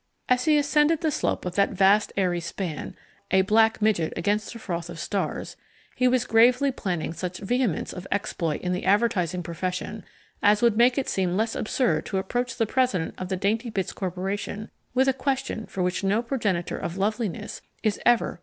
As he ascended the slope of that vast airy span, a black midget against a froth of stars, he was gravely planning such vehemence of exploit in the advertising profession as would make it seem less absurd to approach the President of the Daintybits Corporation with a question for which no progenitor of loveliness is ever quite prepared.